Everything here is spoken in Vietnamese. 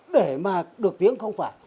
để mà được tiếng không phải